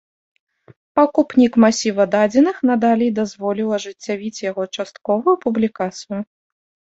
Пакупнік масіва дадзеных надалей дазволіў ажыццявіць яго частковую публікацыю.